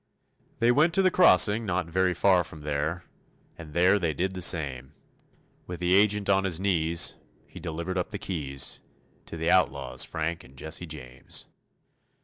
They went to the crossing not very far from there, And there they did the same; With the agent on his knees, he delivered up the keys To the outlaws, Frank and Jesse James.